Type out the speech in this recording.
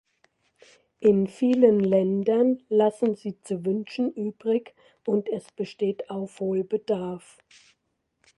In vielen Ländern lassen sie zu wünschen übrig, und es besteht Aufholbedarf.